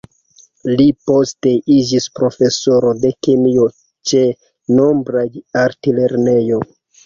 Li poste iĝis profesoro de kemio ĉe nombraj altlernejoj.